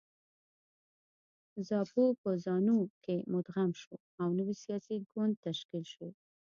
زاپو په زانو کې مدغم شو او نوی سیاسي ګوند تشکیل شو.